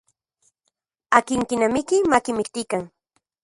Akin kinamiki makimiktikan.